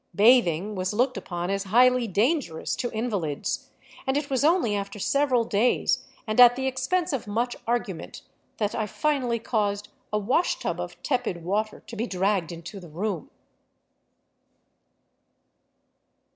Bathing was looked upon as highly dangerous to invalids, and It was only after several days, and at the expense of much argument, that I finally caused a wash tub of tepid water to be dragged into the room.